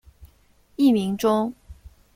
艺名中。